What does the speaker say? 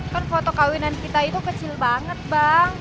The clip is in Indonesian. kan foto kawinan kita itu kecil banget bang